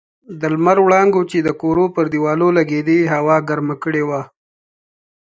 د لمر وړانګو چې د کورو پر دېوالو لګېدې هوا ګرمه کړې وه.